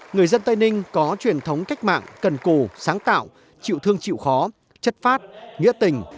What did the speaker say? người dân tây ninh có truyền thống cách mạng cần cù sáng tạo chịu thương chịu khó chất phát nghĩa tình